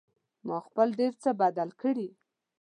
ما خپل ډېر څه بدل کړي